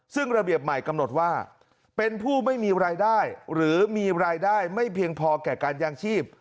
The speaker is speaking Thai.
ซึ่งระเบียบใหม่กำหนดว่าเป็นผู้ไม่มีรายได้หรือมีรายได้ไม่เพียงพอแก่การยางชีพ